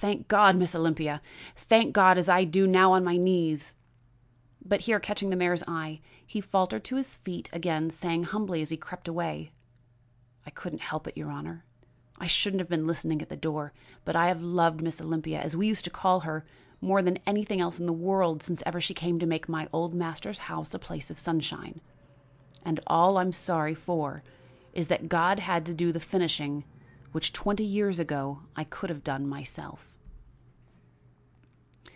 Thank God, Miss Olympia! thank God as I do now on my knees!" But here catching the mayor's eye, he faltered to his feet again, saying humbly as he crept away: "I couldn't help it, your Honor. I shouldn't have been listening at the door; but I have loved Miss Olympia, as we used to call her, more than anything in the world ever since she came to make my old master's house a place of sunshine, and all I'm sorry for is that God had to do the finishing which twenty years ago I could have done myself."